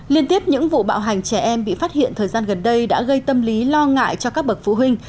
liên tiếp những vụ bạo hành trẻ em bị phát hiện thời gian gần đây đã gây tâm lý lo ngại cho các bậc phụ huynh